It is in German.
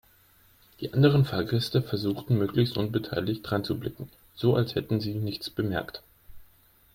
Die anderen Fahrgäste versuchten möglichst unbeteiligt dreinzublicken, so als hätten sie nichts bemerkt.